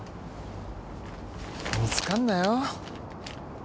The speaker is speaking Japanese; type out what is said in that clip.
見つかんなよ。